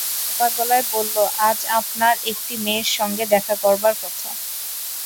ফিরোজ চাপা গলায় বলল, আজ আপনার একটি মেয়ের সঙ্গে দেখা করবার কথা।